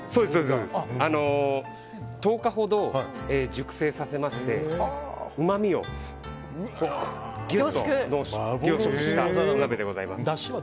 １０日ほど熟成させましてうまみをギュッと凝縮した鍋でございます。